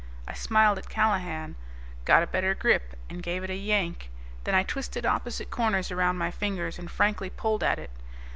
I smiled at Callahan, got a better grip, and gave it a yank. Then I twisted opposite corners around my fingers and frankly pulled at it.